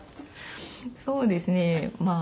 そうですね。